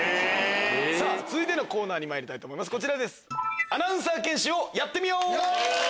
続いてのコーナーにまいりますこちらです。